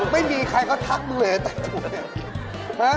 ไม่มีใครเขาทักมึงเลยแต่ถูก